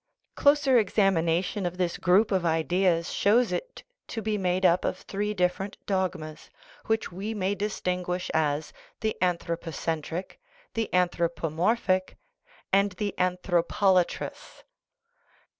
Closer examination of this group of ideas shows it to be made up of three different dogmas, which we may distinguish as the anthropocentric, the anthropomorphic, and the anthropolatrous* I.